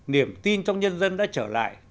niềm tin trong nhân dân đã trở lại